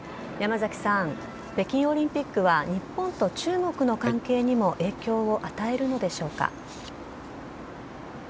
山崎さん、北京オリンピックは日本と中国の関係にも影響を与えるのでしょうか。